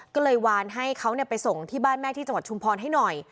ก็เลยวานให้เขาไปส่งที่บ้านแม่ที่จังหวัดชุมพรให้หน่อย